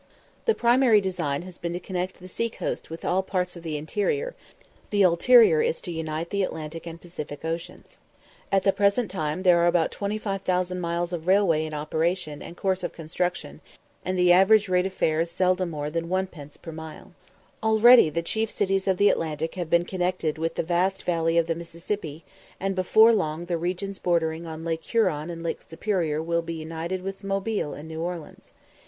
The primary design has been to connect the sea coast with all parts of the interior, the ulterior is to unite the Atlantic and Pacific Oceans. At the present time there are about 25,000 miles of railway in operation and course of construction, and the average rate of fare is seldom more than 1_d._ per mile. Already the chief cities of the Atlantic have been connected with the vast valley of the Mississippi, and before long the regions bordering on Lake Huron and Lake Superior will be united with Mobile and New Orleans.